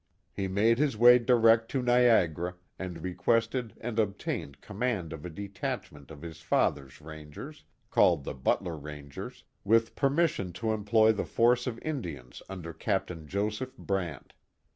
He made his way direct to Niagara, and requested and ob tained command of a detachment of his father's rangers, called the Butler Rangers, with permission to employ the force of Indians under Captain Joseph Brant.